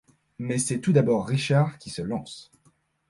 Mais c’est tout d’abord Richard qui se lance.